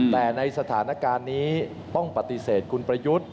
แต่ในสถานการณ์นี้ต้องปฏิเสธคุณประยุทธ์